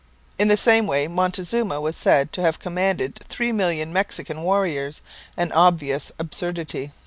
In the same way Montezuma was said to have commanded three million Mexican warriors an obvious absurdity.